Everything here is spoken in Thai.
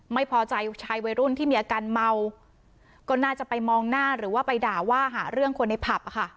ไม่พอใจชายวัยรุ่นที่มีอาการเมาก็น่าจะไปมองหน้าหรือว่าไปด่าว่าหาเรื่องคนในผับอะค่ะ